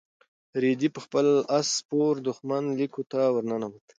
رېدي په خپل اس سپور د دښمن لیکو ته ورننوت.